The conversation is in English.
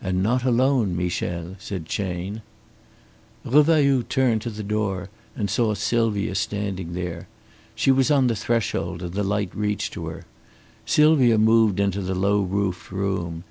"And not alone, Michel," said Chayne. Revailloud turned to the door and saw Sylvia standing there. She was on the threshold and the light reached to her. Sylvia moved into the low roofed room.